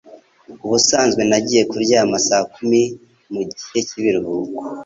Ubusanzwe nagiye kuryama saa kumi mugihe cyibiruhuko.